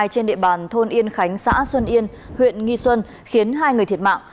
trên địa bàn thôn yên khánh xã xuân yên huyện nghi xuân khiến hai người thiệt mạng